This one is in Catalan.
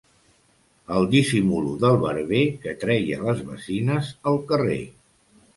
El «dissimulo» del barber, que treia les bacines al carrer.